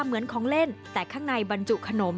เหมือนของเล่นแต่ข้างในบรรจุขนม